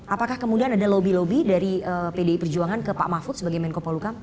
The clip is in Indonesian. apakah kemudian ada lobby lobby dari pdi perjuangan ke pak mahfud sebagai menko polukam